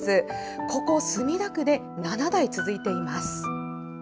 ここ墨田区で、７代続いています。